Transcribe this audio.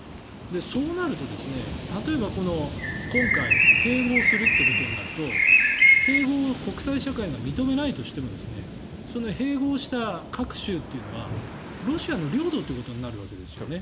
そうなると、例えば今回、併合するってことになると併合を国際社会が認めないとしてもその併合した各州というのはロシアの領土ということになるわけですよね。